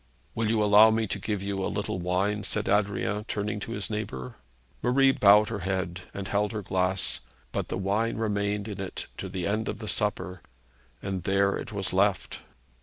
'Will you allow me to give you a little wine?' said Adrian, turning to his neighbour. Marie bowed her head, and held her glass, but the wine remained in it to the end of the supper, and there it was left.